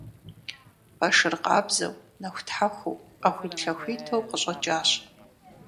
Пэшыр къабзэу нэхутхьэхуу Ӏэхуитлъэхуиту къыщӀэкӀащ.